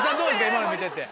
今の見てて。